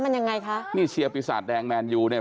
มันยังไงคะนี่เชียร์ปีศาจแดงแมนยูเนี่ย